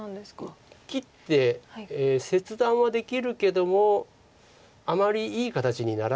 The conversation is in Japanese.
だから切って切断はできるけどもあまりいい形にならない。